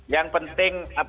yang penting apa